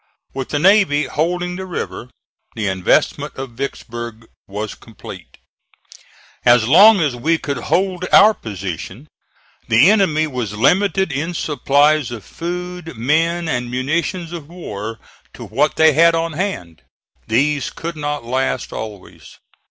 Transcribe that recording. With the navy holding the river, the investment of Vicksburg was complete. As long as we could hold our position the enemy was limited in supplies of food, men and munitions of war to what they had on hand. These could not last always.